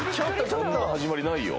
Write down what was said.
こんな始まりないよ